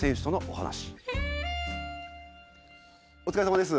お疲れさまです。